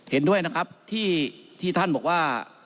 เห็นด้วยนะครับที่ท่านบอกว่า